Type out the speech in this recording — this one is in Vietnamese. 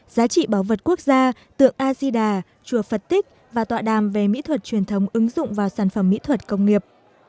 giá trị bảo vật quốc gia tượng azida chùa phật tích và tọa đàm về mỹ thuật truyền thống ứng dụng vào sản phẩm mỹ thuật công nghiệp